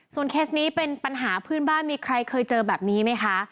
เคสนี้เป็นปัญหาเพื่อนบ้านมีใครเคยเจอแบบนี้ไหมคะ